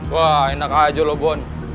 wah enak aja lo bon